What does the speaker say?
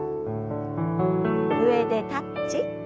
上でタッチ。